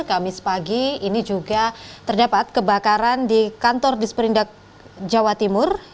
kamis pagi ini juga terdapat kebakaran di kantor disperindak jawa timur